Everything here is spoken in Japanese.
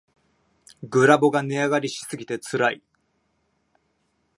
グラボが値上がりしすぎてつらい